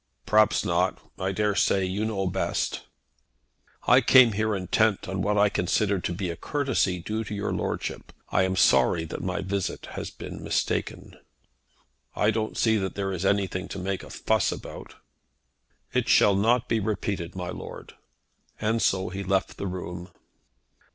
"Perhaps not. I dare say you know best." "I came here intent on what I considered to be a courtesy due to your lordship. I am sorry that my visit has been mistaken." "I don't see that there is anything to make a fuss about." "It shall not be repeated, my lord." And so he left the room.